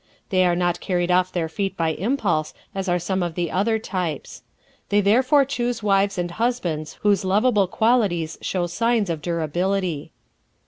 They are not carried off their feet by impulse as are some of the other types. They therefore choose wives and husbands whose lovable qualities show signs of durability.